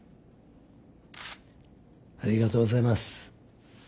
ありがとうございます。